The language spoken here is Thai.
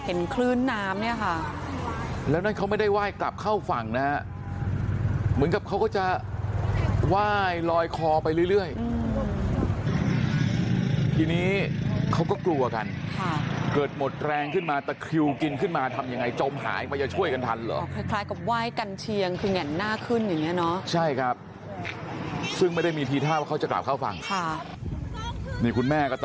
โอมมาหาแม่ละพอเห็นแบบนี้เนี่ยจนโลกที่ก็เอาเรือท้องแบลนออกไปเลยนะครับแต่พอไปเจอแล้วเนี่ยโอมไม่ยอมกลับเข้าฝั่งนะ